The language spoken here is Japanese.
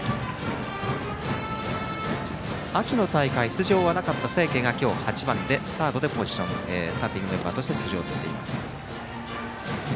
秋の大会は出場がなかった清家が今日、８番でサードのポジションでスターティングメンバーとして出場しています。